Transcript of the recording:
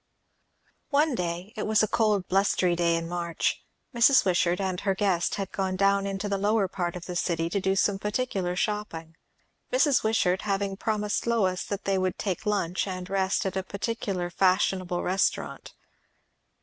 One day, it was a cold, blustering day in March, Mrs. Wishart and her guest had gone down into the lower part of the city to do some particular shopping; Mrs. Wishart having promised Lois that they would take lunch and rest at a particular fashionable restaurant.